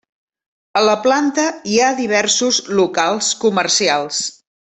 A la planta hi ha diversos locals comercials.